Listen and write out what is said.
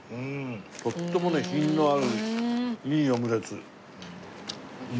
とってもね品のあるいいオムレツ。